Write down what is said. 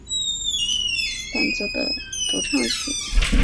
现时咏叹调被狭义为几乎专指管弦乐队伴奏的独唱曲。